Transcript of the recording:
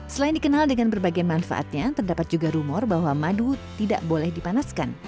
selain dikenal dengan berbagai manfaatnya terdapat juga rumor bahwa madu tidak boleh dipanaskan